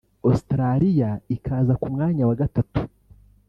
Australia ikaza ku mwanya wa gatatu